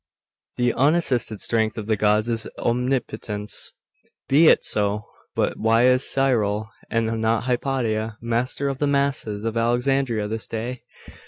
'The unassisted strength of the gods is omnipotence.' 'Be it so. But why is Cyril, and not Hypatia, master of the masses of Alexandria this day?